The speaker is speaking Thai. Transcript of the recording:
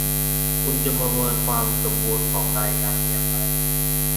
คุณจะประเมินความสมบูรณ์ของรายงานนี้อย่างไร